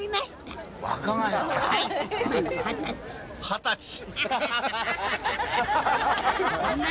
二十歳。